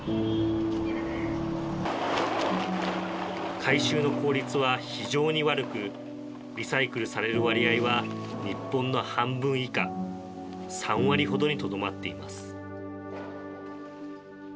回収の効率は非常に悪くリサイクルされる割合は日本の半分以下３割ほどにとどまっています